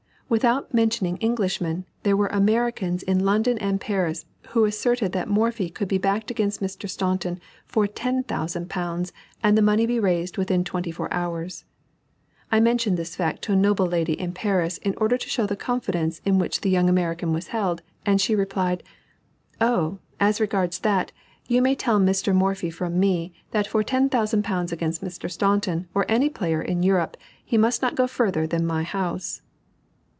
Without mentioning Englishmen, there were Americans in London and Paris who asserted that Morphy could be backed against Mr. Staunton for £10,000, and the money be raised within twenty four hours. I mentioned this fact to a noble lady in Paris, in order to show the confidence in which the young American was held, and she replied, "Oh, as regards that, you may tell Mr. Morphy from me, that for £10,000 against Mr. Staunton or any player in Europe, he must not go further than my house."